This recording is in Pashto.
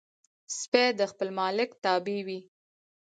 سپي د خپل مالک تابع وي.